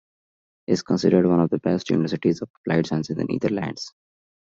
Is considered one of the best universities of applied sciences in the Netherlands.